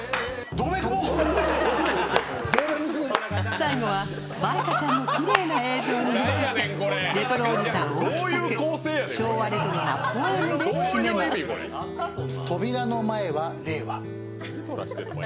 最後は舞香ちゃんのきれいな映像にのせてレトロおじさん大木作昭和レトロなポエムで締めます。